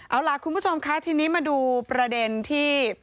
เอาล่ะคุณผู้ชมคะทีนี้มาดูประเด็นที่